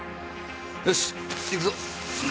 よし行くぞ！